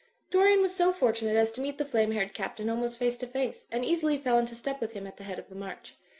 Dorian was so fortunate as to meet the flame haired Captain almost face to face, and easily fell into step with him at the head of the march.